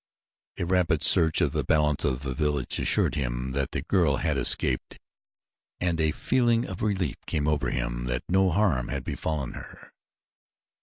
A rapid search of the balance of the village assured him that the girl had escaped and a feeling of relief came over him that no harm had befallen her.